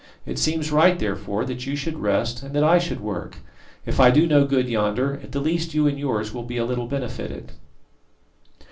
It seems right, therefore, that you should rest, and that I should work. If I do no good yonder, at the least you and yours will be a little benefited."